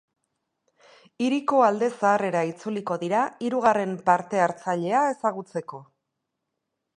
Hiriko alde zaharrera itzuliko dira hirugarren parte-hartzailea ezagutzeko.